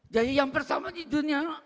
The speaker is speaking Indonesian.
jadi yang pertama di dunia